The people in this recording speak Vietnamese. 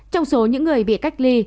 trong số những người bị cách ly